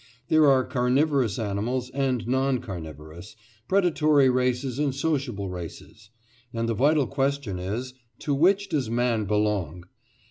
There are carnivorous animals and non carnivorous, predatory races and sociable races; and the vital question is—to which does man belong?